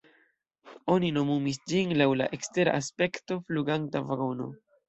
Oni nomumis ĝin laŭ la ekstera aspekto „fluganta vagono”.